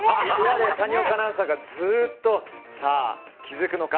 谷岡アナウンサーがずっとさあ、気づくのか？